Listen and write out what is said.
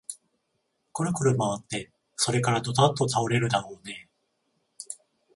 くるくるまわって、それからどたっと倒れるだろうねえ